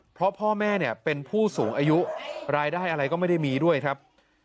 เพราะพ่อแม่เนี่ยเป็นผู้สูงอายุรายได้อะไรก็ไม่ได้มีด้วยครับ